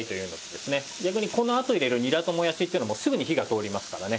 逆にこのあと入れるにらともやしっていうのはもうすぐに火が通りますからね。